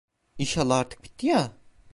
İnşallah artık bitti ya?